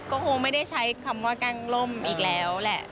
ก็คงไม่ได้ใช้คำว่าแกล้งล่มอีกแล้วแหละ